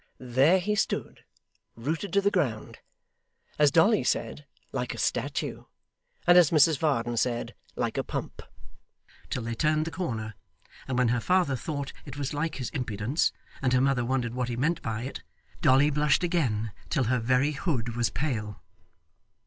There he stood, rooted to the ground: as Dolly said, like a statue; and as Mrs Varden said, like a pump; till they turned the corner: and when her father thought it was like his impudence, and her mother wondered what he meant by it, Dolly blushed again till her very hood was pale.